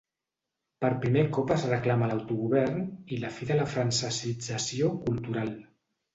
Per primer cop es reclama l'autogovern i la fi de la francesització cultural.